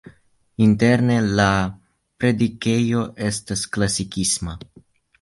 Interne la predikejo estas klasikisma.